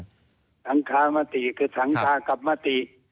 คามติคือสังคากับมติ